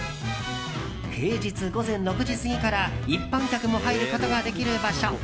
平日午前６時過ぎから一般客も入ることができる場所。